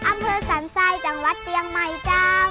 อำเภอสรรไทยจากวัดเจียงใหม่เจ้า